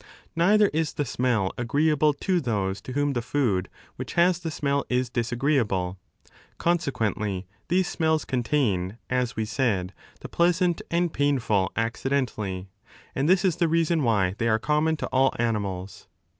Neither is the smell agreeable to those to whom the food which has the smell is disagreeable. 13 Consequently, these smells contain, as we said, the pleasant and painful accidentally, and this is the reason why they are common to all animals.